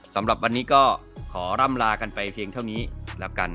สำหรับวันนี้ก็ขอร่ำลากันไปเพียงเท่านี้แล้วกัน